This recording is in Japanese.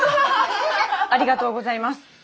ありがとうございます。